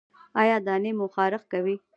ایا دانې مو خارښ کوي؟